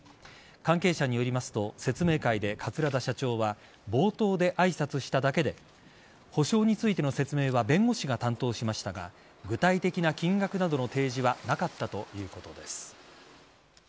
関係者によりますと説明会で桂田社長は冒頭で挨拶しただけで補償についての説明は弁護士が担当しましたが具体的な金額などの提示はなかったということです。